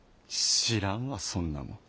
知らんわそんなもん。